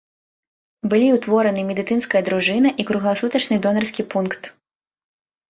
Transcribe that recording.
Былі ўтвораны медыцынская дружына і кругласутачны донарскі пункт.